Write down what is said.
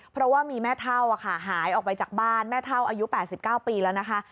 เพราะว่ามีแม่เท่าหายออกไปจากบ้านแม่เท่าอายุ๘๙ปีแล้วนะคะ